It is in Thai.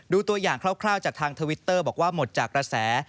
ตัวอย่างคร่าวจากทางทวิตเตอร์บอกว่าหมดจากกระแส